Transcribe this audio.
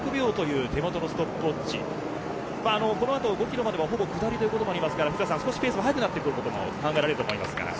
この後、５キロまでほぼ下りということもありますが少しペースが速くなることも考えられますが。